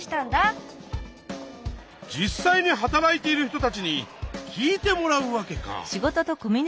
実際に働いている人たちに聞いてもらうわけか！